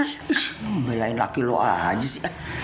emang bayarin laki lu aja sih